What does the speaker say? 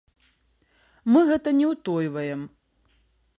Мы гэта не ўтойваем.